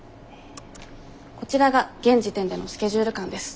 こちらが現時点でのスケジュール感です。